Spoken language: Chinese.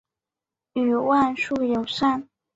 与万树友善。